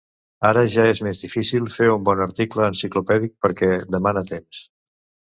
Ara, ja és més difícil fer un bon article enciclopèdic, perquè demana temps.